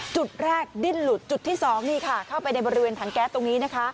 จุดแรกดิ้นหลุดจุดที่๒นี่ค่ะเข้าไปในบริเวณถังแก๊สตรงนี้นะคะ